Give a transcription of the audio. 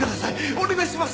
お願いします！